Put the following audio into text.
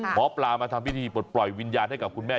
หมอปลามาทำพิธีปลดปล่อยวิญญาณให้กับคุณแม่